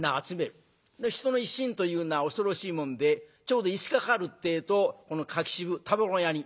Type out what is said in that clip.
人の一心というのは恐ろしいもんでちょうど５日かかるってえとこの柿渋タバコのヤニ